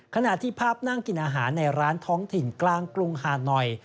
ขณะที่ภาพนั่งกินอาหารในร้านท้องถิ่นกลางกรุงหานอย